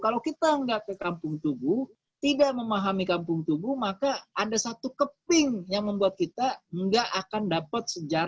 kalau kita nggak ke kampung tubuh tidak memahami kampung tubuh maka ada satu keping yang membuat kita nggak akan dapat sejarah